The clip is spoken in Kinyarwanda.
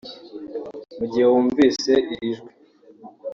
Mu gihe wumvise iri jwi